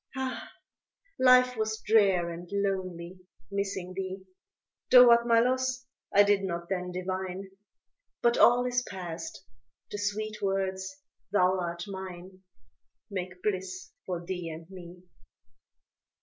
Ah, life was drear and lonely, missing thee, Though what my loss I did not then divine; But all is past the sweet words, thou art mine, Make bliss for thee and me.